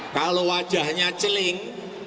kalau wajahnya celing